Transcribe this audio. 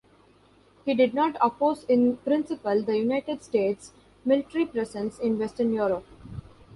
He did not oppose, in principle, the United States' military presence in Western Europe.